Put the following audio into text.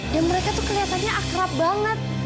dan mereka tuh kelihatannya akrab banget